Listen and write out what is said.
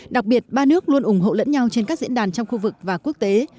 đặc biệt ba nước luôn ủng hộ lẫn nhau trên các diễn đàn trong khu vực và quốc tế